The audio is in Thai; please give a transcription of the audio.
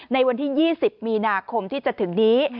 ในวันที่๒๐มีนาคมที่จะถึงนี้